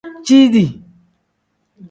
Ciidi.